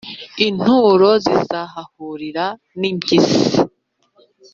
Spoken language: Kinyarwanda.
Inturo zizahahurira n’impyisi,